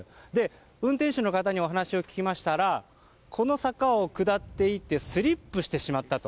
運転手の方にお話を聞きましたらこの坂を下っていってスリップしてしまったと。